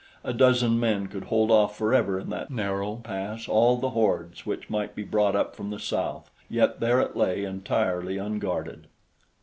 A dozen men could hold off forever in that narrow pass all the hordes which might be brought up from the south; yet there it lay entirely unguarded.